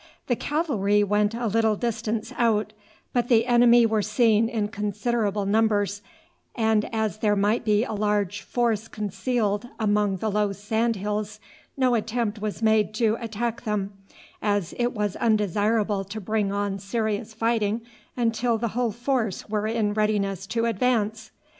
The cavalry went a little distance out; but the enemy were seen in considerable numbers, and as there might be a large force concealed among the low sand hills, no attempt was made to attack them, as it was undesirable to bring on serious fighting until the whole force were in readiness to advance.